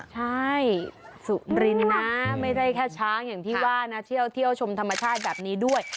ใช่สุรินนะไม่ได้แค่ช้างอย่างที่ว่านะเที่ยวเที่ยวชมธรรมชาติแบบนี้ด้วย